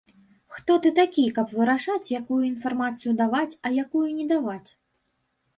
Хто ты такі, каб вырашаць, якую інфармацыю даваць, а якую не даваць?